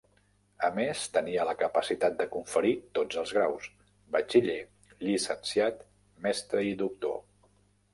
A més, tenia la capacitat de conferir tots els graus: batxiller, llicenciat, mestre i doctor.